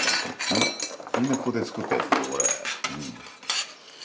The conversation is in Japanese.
みんなここで作ったやつだよこれ。